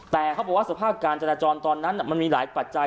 แต่เขาบอกว่าสภาพการจราจรตอนนั้นมันมีหลายปัจจัย